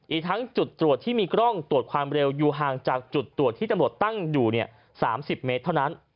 อีกทั้งจุดตรวจที่มีกล้องตรวจความเร็วอยู่ห่างจากจุดตรวจที่ตำรวจตั้งอยู่๓๐เมตรเท่านั้น